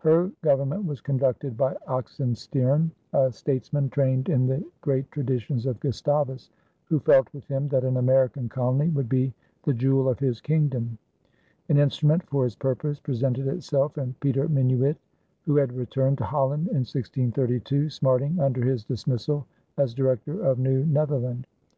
Her Government was conducted by Oxenstiern, a statesman trained in the great traditions of Gustavus, who felt with him that an American colony would be "the jewel of his kingdom." An instrument for his purpose presented itself in Peter Minuit, who had returned to Holland in 1632, smarting under his dismissal as Director of New Netherland.